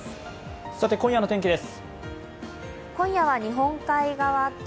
今夜の天気です。